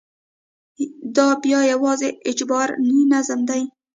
دا بیا یوازې اجباري نظم دی.